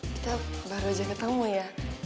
kita baru aja ketemu ya